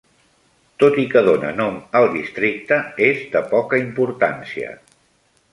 Tot i que dona nom al districte, és de poca importància.